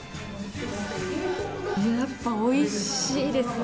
やっぱおいしいですね。